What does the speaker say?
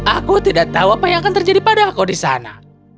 aku tidak tahu apa yang akan terjadi pada aku di sana